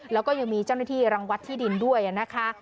แล้วก็ยังมีเจ้าหน้าที่รังวัดที่ดินด้วยนะคะ